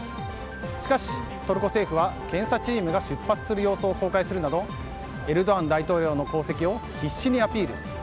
しかし、トルコ政府は検査チームが出発する様子を公開するなどエルドアン大統領の功績を必死にアピール。